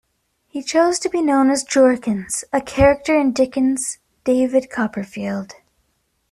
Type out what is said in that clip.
He chose to be known as "Jorkins", a character in Dickens' "David Copperfield".